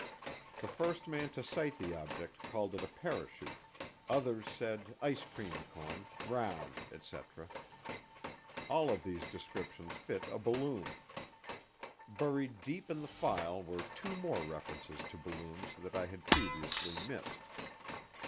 The first man to sight the object called it a parachute; others said ice cream cone, round, etc. All of these descriptions fit a balloon. Buried deep in the file were two more references to balloons that I had previously missed.